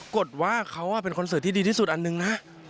ดว่าเขาเป็นคอนเสิร์ตที่ดีที่สุดอันหนึ่งนะ